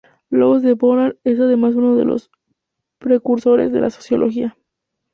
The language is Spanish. Louis de Bonald es además uno de los precursores de la sociología.